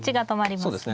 そうですね。